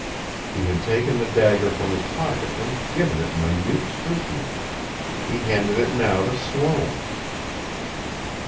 He had taken the dagger from his pocket and given it minute scrutiny. He handed it now to Sloane.